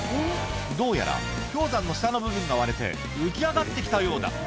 どうやら氷山の下の部分が割れて浮き上がって来たようだ